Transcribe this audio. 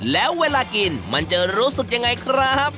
แล้วเวลากินมันจะรู้สึกยังไงครับ